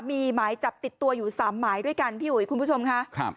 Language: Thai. มีหมายจับติดตัวอยู่๓หมายด้วยกันพี่อุ๋ยคุณผู้ชมค่ะครับ